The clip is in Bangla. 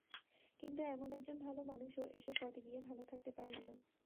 কিন্তু এমন একজন ভালো মানুষও এসব পদে গিয়ে ভালো থাকতে পারেন না।